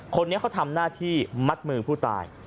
คนนี้เขาทำหน้าที่มัดมือผู้ตาย